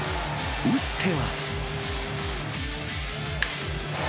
打っては。